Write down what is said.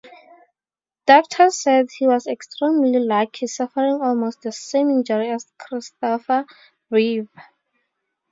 Doctors said he was extremely lucky, suffering almost the same injury as Christopher Reeve.